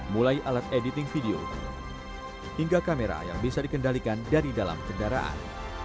mulai alat editing video hingga kamera yang bisa dikendalikan dari dalam kendaraan